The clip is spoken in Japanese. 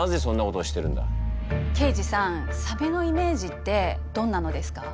刑事さんサメのイメージってどんなのですか？